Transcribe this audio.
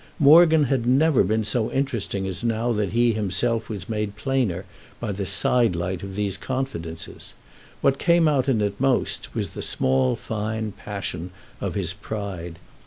Morgan had never been so interesting as now that he himself was made plainer by the sidelight of these confidences. What came out in it most was the small fine passion of his pride.